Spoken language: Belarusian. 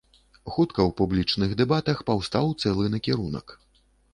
Хутка ў публічных дэбатах паўстаў цэлы накірунак.